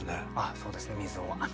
そうですね「水を編み」。